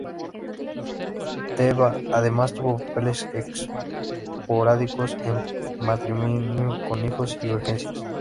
Theba, además, tuvo papeles esporádicos en "Matrimonio con hijos" y "Urgencias".